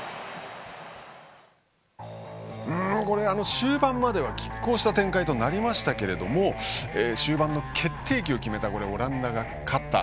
終盤まではきっ抗した展開とはなりましたけど終盤の決定機を決めたオランダが勝った。